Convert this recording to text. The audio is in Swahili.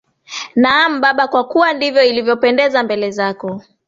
Naam Baba kwa kuwa ndivyo ilivyopendeza mbele zako